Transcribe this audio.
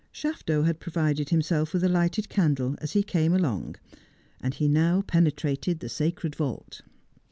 Shafto had provided himself with a lighted candle as he came along, and he now penetrated the sacred vault.